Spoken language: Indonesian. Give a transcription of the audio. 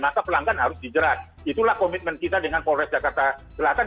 maka pelanggan harus dijerat itulah komitmen kita dengan polres jakarta selatan